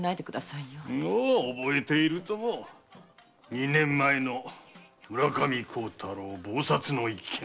二年前の村上幸太郎謀殺の一件。